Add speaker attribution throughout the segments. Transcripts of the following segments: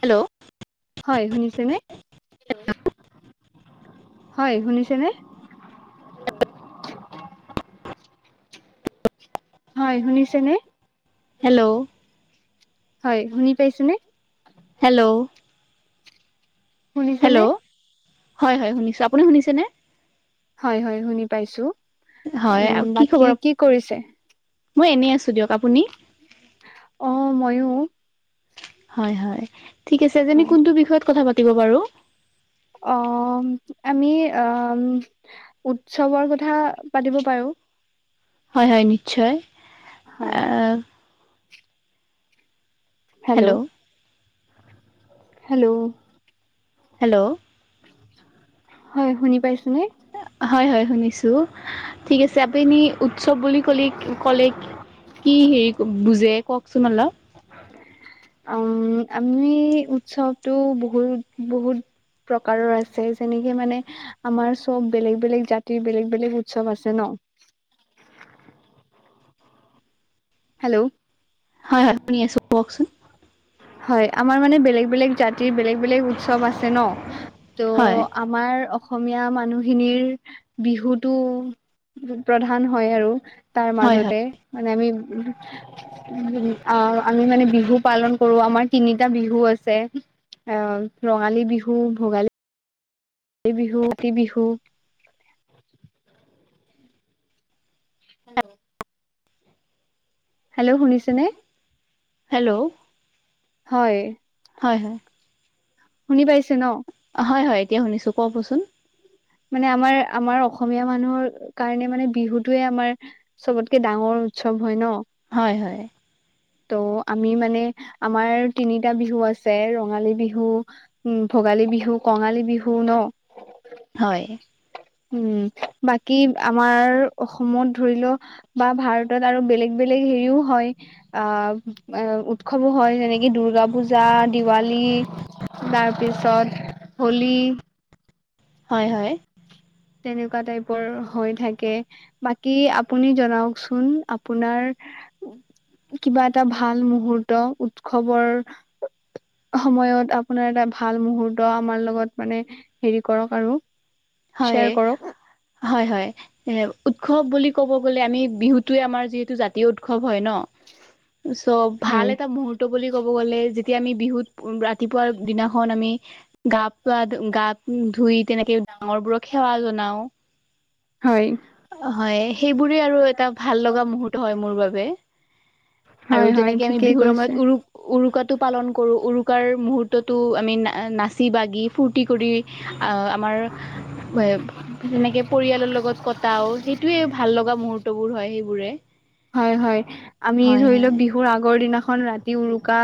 Speaker 1: Hello,
Speaker 2: হয়, শুনিছে ন হয় শুনিছেনে? হয় শুনিছে নে?
Speaker 1: হেল্ল'
Speaker 2: হয় শুনি পাইছনে?
Speaker 1: হেল্ল'
Speaker 2: শুনিছে নে?
Speaker 1: হেল্ল' হয় হয় শুনিছোঁ আপুনি শুনিছেনে
Speaker 2: হয়, হয় শুনি পাইছো
Speaker 1: হয়
Speaker 2: উম', বাকী
Speaker 1: খবৰ
Speaker 2: কি কৰিছে?
Speaker 1: মই এনেই আছো দিয়ক আপুনি?
Speaker 2: অ', ময়ো
Speaker 1: হয়, হয় ঠিক আছে আজি
Speaker 2: হয়।
Speaker 1: কোনটো বিষয়ত কথা পাতিব বাৰু?
Speaker 2: অ' আমি অ' উৎসৱৰ কথা পাতিব পাৰো।
Speaker 1: হয়, হয় নিশ্চয়
Speaker 2: হয়
Speaker 1: আহ
Speaker 2: হেল্ল' হেল্ল'
Speaker 1: হেল্ল'
Speaker 2: হয় শুনি পাইছো নে?
Speaker 1: হয়, হয় শুনিছো ঠিক আছে আপুনি উৎসৱ বুলি ক'লে ক'লে কি হেৰি বুজে কওকচোন অলপ।
Speaker 2: উম', আমি উৎসৱটো বহুত বহুত প্ৰকাৰৰ আছে যেনেকে মানে আমাৰ চব বেলেগ বেলেগ জাতিৰ বেলেগ বেলেগ উৎসৱ আছে ন। হেল্ল'
Speaker 1: হয়, হয় শুনি আছো কওকচোন।
Speaker 2: হয় আমাৰ মানে বেলেগ বেলেগ জাতিৰ বেলেগ বেলেগ উৎসৱ আছে ন ত
Speaker 1: হয়
Speaker 2: আমাৰ অসমীয়া মানুহখিনিৰ, বিহুতটো প্ৰধান হয় আৰু। তাৰ
Speaker 1: হয় হয়
Speaker 2: মাজতে মানে আমি অ' আমি মানে বিহু পালন সৰু আমাৰ তিনিটা বিহু আছে, অ' ৰঙালী বিহু ভোগালী বিহু কাতি বিহু। হেল্ল' হেল্ল' শুনিছেনে,
Speaker 1: হেল্ল'
Speaker 2: হয়।
Speaker 1: হয় হয়
Speaker 2: শুনি পাইছে ন'।
Speaker 1: হয় হয় এতিয়া শুনিছো ক'বচোন।
Speaker 2: মানে আমাৰ আমাৰ অসমীয়া মানুহৰ কাৰণে মানে বিহুটোৱে আমাৰ চবতকে ডাঙৰ উৎসৱ হয় ন'।
Speaker 1: হয় হয়।
Speaker 2: ত' আমি মানে আমাৰ তিনিটা বিহু আছে ৰঙালী বিহু উম, ভোগালী বিহু কঙালী বিহু ন'।
Speaker 1: হয়।
Speaker 2: উম, বাকী আমাৰ অসমত ধৰি লওঁ বা ভাৰতত আৰু বেলেগ বেলেগ হেৰিও হয়। অ' উৎসৱো হয় যেনেকে দূৰ্গা পূজা দিৱালী তাৰ পিছত, হোলী।
Speaker 1: হয় হয়।
Speaker 2: তেনেকুৱা টাইপৰ হৈ থাকে বাকী আপুনি জনাওঁকচোন আপোনাৰ কিবা এটা ভাল মুহুৰ্ত উৎসৱৰ। সময়ত আপোনাৰ এটা ভাল মুহূৰ্ত আমাৰ লগত মানে হেৰি কৰক আৰু। শ্বেয়াৰ
Speaker 1: হয়,
Speaker 2: কৰক
Speaker 1: হয় হয়। এ উৎসৱ বুলি ক'ব গ'লে আমি বিহুতে আমাৰ যিহেতু জাতীয় উৎসৱ হয় ন'। চ' ভাল
Speaker 2: হয়।
Speaker 1: এটা মুহুৰ্ত বুলি ক'ব গ'লে যেতিয়া আমি বিহুত ৰাতিপুৱাৰ দিনাখন আমি গা পা গা ধুই তেনেকে ডাঙৰ বোৰক সেৱা জনাওঁ।
Speaker 2: হয়।
Speaker 1: হয় সেইবোৰে আৰু এটা ভাল লগা মুহুৰ্ত হয় মোৰ বাবে। আৰু
Speaker 2: হয়, হয়
Speaker 1: যেনেকে আমি
Speaker 2: ঠিকেই
Speaker 1: বিহুৰ
Speaker 2: কৈছে।
Speaker 1: সময়ত উৰু উৰুকাটো পালন কৰো উৰু [unintelligible] মুহূৰ্তটো আমি না নাচি বাগি ফূৰ্তি কৰি আমাৰ তেনেকে পৰিয়ালৰ লগত কটাও সেইটোয়ে ভাল লগা মুহু [unintelligible] বোৰ হয় সেইবোৰে।
Speaker 2: হয় হয়, আমি
Speaker 1: হয়
Speaker 2: ধৰি লওঁক
Speaker 1: হয়।
Speaker 2: বিহুৰ আগৰ দিনাখন ৰাতি উৰুকা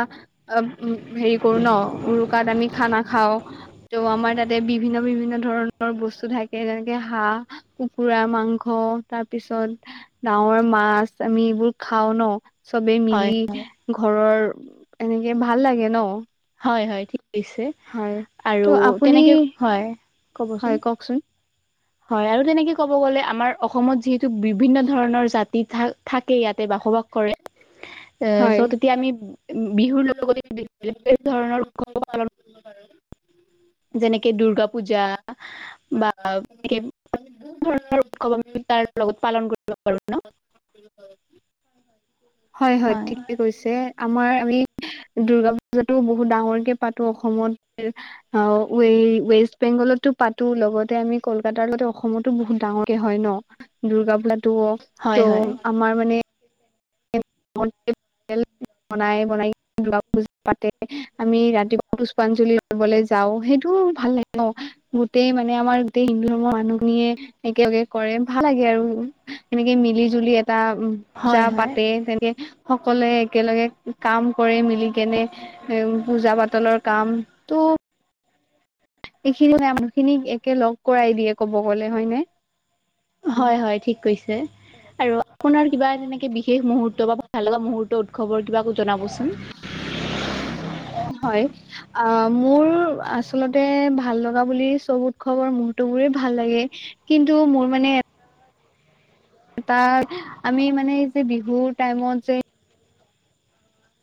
Speaker 2: অ' উম, হেৰি কৰো ন' উৰুকাত আমি খানা খাওঁ। ত' আমাৰ তাতে বিভিন্ন বিভিন্ন ধৰণৰ বস্তু থাকে যেনেকে হাঁহ কুকাৰ মাংস তাৰ পিছত ডাঙৰ মাছ। আমি এইবোৰ খাওঁ ন' চবেই
Speaker 1: হয়
Speaker 2: মিলি। ঘৰৰ, এনেকে ভাল লাগে ন'।
Speaker 1: হয় হয় ঠিক কৈছে
Speaker 2: হয়
Speaker 1: আৰু
Speaker 2: তো আপুনি
Speaker 1: তেনেকে হয়।
Speaker 2: হয়
Speaker 1: ক'বচোন।
Speaker 2: কওঁকচোন।
Speaker 1: হয় আৰু তেনেকে ক'ব গ'লে আমাৰ অসমত যিহেতু বিভিন্ন ধৰণৰ জাতি থাক থাকে ইয়াতে বসবাস কৰে। এ
Speaker 2: হয়।
Speaker 1: চ' তেতিয়া আমি বিহুৰ লগতে ধৰণৰ উৎসৱ পালন যেনেকে দুৰ্গা পূজা বা [unintelligible]
Speaker 2: [unintelligible] হয় হয় ঠিকে কৈছে। আমাৰ আমি দুৰ্গা পূজাতটো বহুত ডাঙৰকে পাতো অসমত অ ৱেষ্ট বেংগলতো পাতো। লগতে আমি কলকাতাৰ লগতে অসমতো বহুত ডাঙৰকে হয় ন দুূৰ্গা পূজাটোও
Speaker 1: হয়
Speaker 2: ত'
Speaker 1: হয়
Speaker 2: আমাৰ মানে [unintelligible] আমি ৰাতিপুৱা পুষ্পাঞ্জলি লবলৈ যাও সেইটো ভাল লাগে। গোটেই মানে আমাৰ গোটেই হিন্দু ধৰ্মৰ মানুহ খিনিয়ে একেলগে কৰে ভাল লাগে আৰু, সেনেকে মিলি জুলি এটা উ পূজা
Speaker 1: হয় হয়
Speaker 2: পাতে। তেনেকে সকলোৱে একেলগে কাম কৰি মিলি কেনে। উম পূজা পাতলৰ কাম টো এইখিনি মানুহখিনিক একে লগ কৰাই দিয়ে ক'ব গ'লে হয়নে?
Speaker 1: হয় হয় ঠিক কৈছে। আৰু আপোনাৰ কিবা তেনেকে বিশেষ মুহুৰ্ত বা ভাল লগা মুহুৰ্ত উৎসৱৰ কিবা জনাবচোন।
Speaker 2: হয়। অ মোৰ আচলতে ভাল লগা বুলি চব উৎসৱৰ মহৰ্তবোৰেই ভাল লাগে। কিন্তু মোৰ মানে তাৰ আমি মানে এই যে বিহুৰ টাইমত যে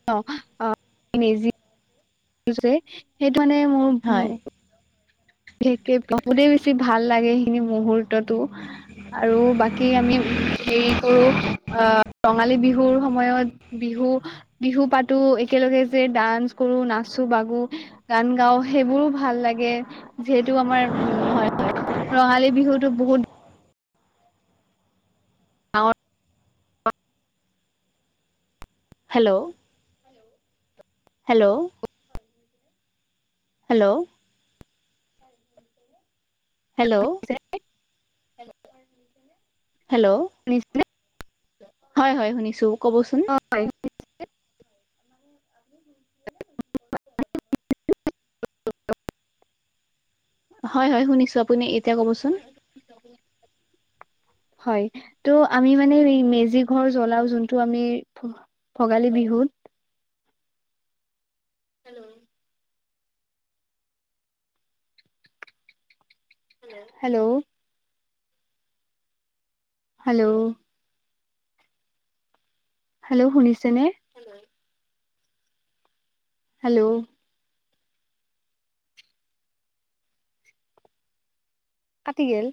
Speaker 2: [unintelligible] সেইটো মানে
Speaker 1: হয়
Speaker 2: মোৰ বিশেষকে বহুতেই বেছি ভাল লাগে সেইখিনি মুহূুৰ্ততো। আৰু বাকী আমি অ হেৰি কৰো আহ ৰঙালী বিহুৰ সময়ত বিহু, বিহু পাতো একেলগে যে ডান্স কৰো নাচো-বাগো গান গাও সেইবোৰো ভাল লাগে। যিহেতু আমাৰ উম
Speaker 1: হয়
Speaker 2: ৰঙালী বিহুটো বহুত [inaudible]
Speaker 1: hello hello. Hello. Hello.
Speaker 2: [unintelligible]
Speaker 1: Hello.
Speaker 2: [unintelligible]
Speaker 1: হয় হয় শুনিছো ক'বচোন।
Speaker 2: হয়।
Speaker 1: [unintelligible] হয় হয় শুনিছো আপুনি এতিয়া কবচোন।
Speaker 2: [unintelligible] হয় ত আমি মানে মেজি ঘৰ জ্বলাও যোনটো আমি ভোগালী বিহুত। হেল্ল'। হেল্ল'। হেল্ল'। হেল্ল' শুনিছে নে? হেল্ল'। কাতিগেল।